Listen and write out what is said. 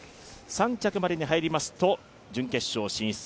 ３着までに入りますと準決勝進出。